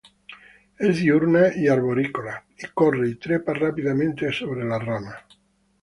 Es diurna y arborícola, corre y trepa rápidamente sobre las ramas.